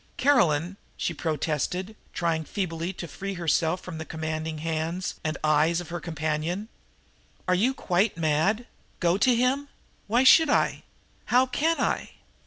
"Caroline," she protested, trying feebly to free herself from the commanding hands and eyes of her companion, "are you quite mad? Go to him? Why should I? How can I?"